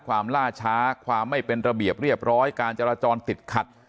ล่าช้าความไม่เป็นระเบียบเรียบร้อยการจราจรติดขัด